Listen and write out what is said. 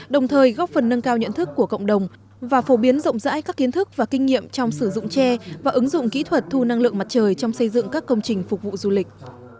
đồng thời góp phần nâng cao nhận thức của cộng đồng và phổ biến rộng rãi các kiến thức và kinh nghiệm trong sử dụng tre và ứng dụng kỹ thuật thu năng lượng mặt trời trong xây dựng các công trình phục vụ du lịch